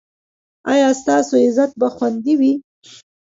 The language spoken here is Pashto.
ایا ستاسو عزت به خوندي وي؟